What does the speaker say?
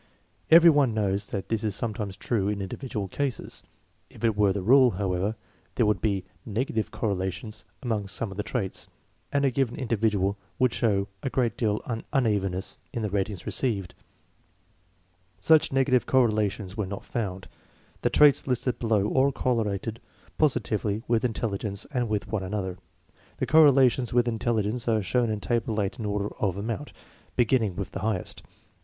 Every one knows that this is sometimes true in individual cases. If it were the rule, however, there would be negative correlations among some of the traits, and a given individual would show a great deal of unevenness in the ratings received. Such negative correlations were not found. The traits listed below all correlated positively with intelli gence and with one another. The correlations with intelligence are shown in Table 8 in order of amount, beginning with the highest.